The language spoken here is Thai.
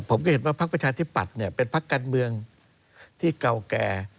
ผมก็เห็นว่าพักประชาธิปัตย์เป็นพักการเมืองที่เก่าแก่